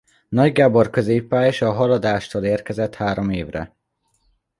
Nagy Gábor középpályás a Haladástól érkezett három évre.